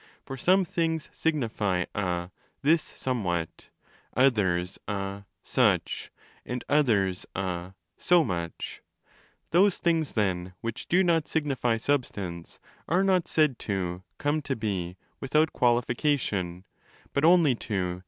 For some things signify a this somewhat, others a such, and others a so much. Those things, then, which do not signify substance, are not said to 'come to be' with out qualification, but only to ' come to be so and so '.